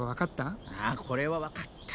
あこれはわかった。